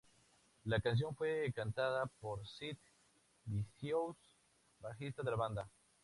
La canción fue cantada por Sid Vicious, bajista de la banda.